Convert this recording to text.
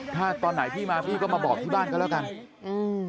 ถ้าตอนไหนพี่มาพี่ก็มาบอกที่บ้านก็แล้วกันอืม